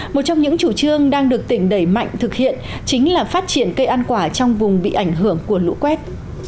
một trong những chủ trương đang được tỉnh đẩy mạnh thực hiện chính là phát triển cây ăn quả trong vùng bị ảnh hưởng của lũ quét